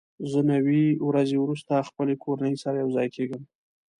زه نوي ورځې وروسته خپلې کورنۍ سره یوځای کېږم.